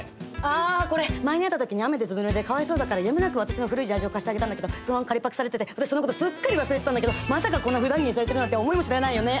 あこれ前に会った時に雨でずぶぬれでかわいそうだからやむなく私の古いジャージを貸してあげたんだけどそのまま借りパクされてて私そのことすっかり忘れてたんだけどまさかこんなふだん着にされてるなんて思いもしないよね。